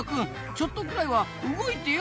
ちょっとくらいは動いてよ！